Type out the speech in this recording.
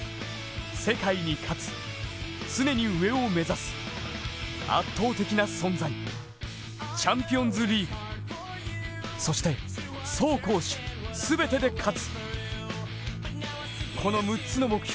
世界に勝つ、常に上を目指す、圧倒的な存在、チャンピオンズリーグ、そして走攻守、すべてで勝つ。